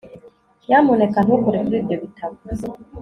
nyamuneka ntukore kuri ibyo bitabo